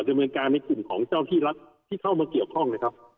ดำเนินการในกลุ่มของเจ้าที่รัฐที่เข้ามาเกี่ยวข้องนะครับ